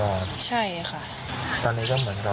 ตอนนี้ก็เหมือนกับว่ายังไงก็จะไม่กลับไปเลยนะ